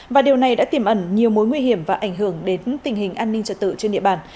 và điều này đã tìm ẩn nhiều mối nguy hiểm và ảnh hưởng đến tình hình an ninh trật tự trên địa bàn